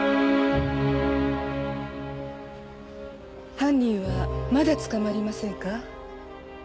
犯人はまだ捕まりませんか？